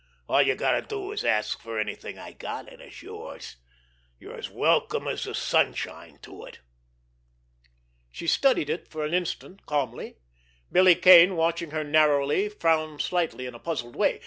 All you've got to do is ask for anything I've got, and it's yours. You're as welcome as the sunshine to it." She studied it for an instant calmly. Billy Kane, watching her narrowly, frowned slightly in a puzzled way.